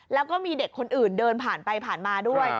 แล้วก็มีเด็กคนอื่นเดินผ่านไปผ่านมาด้วย